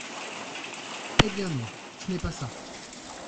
Eh bien, non, ce n’est pas ça !